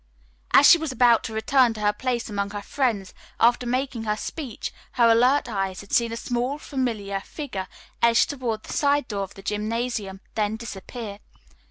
As she was about to return to her place among her friends, after making her speech, her alert eyes had seen a small, familiar figure edge toward the side door of the gymnasium, then disappear.